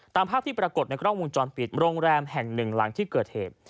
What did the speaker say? ตามภาพที่ปรากฏในกล้องวงจรปิดโรงแรมแห่งหนึ่งหลังที่เกิดเหตุ